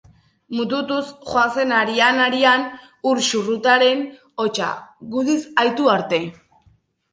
Mututuz joan zen arian-arian ur-xurrutaren hotsa, guztiz ahitu arte.